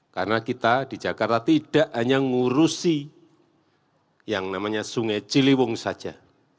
karena kita di jakarta tidak hanya ngurusi yang namanya sungai ciliwung saja